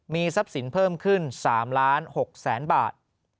มีทรัพย์สินเพิ่มขึ้น๓๖๐๐๐บาท